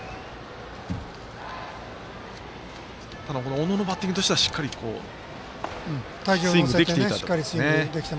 小野のバッティングとしてはしっかりスイングできていたと。